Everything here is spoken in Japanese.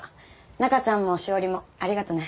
中ちゃんも詩織もありがとね。